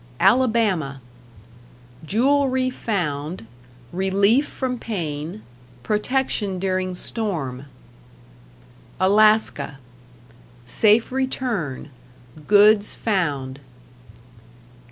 Alabama Jewelry found, relief from pain, protection during storm. Alaska Safe return, goods found.